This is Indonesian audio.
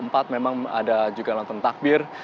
memang ada juga nonton takbir